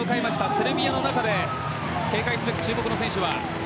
セルビアの中で警戒すべき注目の選手は？